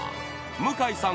［向井さん